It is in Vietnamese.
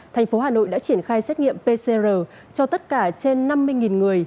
thành phố hà nội đã triển khai xét nghiệm pcr cho tất cả trên năm mươi người